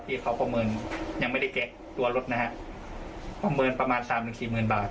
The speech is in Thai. ที่เขาประเมินยังไม่ได้แจกตัวรถนะฮะประเมินประมาณสามถึงสี่หมื่นบาท